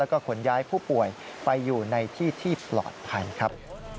แล้วก็ขนย้ายผู้ป่วยไปอยู่ในที่ที่ปลอดภัยครับ